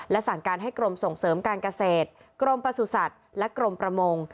สั่งการให้กรมส่งเสริมการเกษตรกรมประสุทธิ์และกรมประมง